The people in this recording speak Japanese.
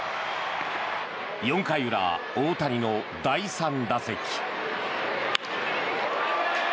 ４回裏、大谷の第３打席。